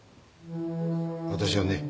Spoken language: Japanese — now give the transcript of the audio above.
私はね